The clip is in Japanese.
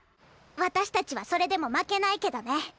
私たちはそれでも負けないけどね。